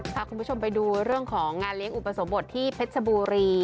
พาคุณผู้ชมไปดูเรื่องของงานเลี้ยงอุปสมบทที่เพชรชบุรี